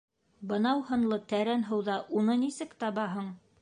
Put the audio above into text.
Бынау һынлы тәрән һыуҙа уны нисек табаһың?!